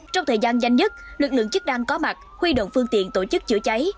trong thời gian danh nhất lực lượng chức đàn có mặt huy động phương tiện tổ chức chữa cháy